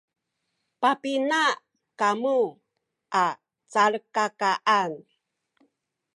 papina kamu a calkakaan?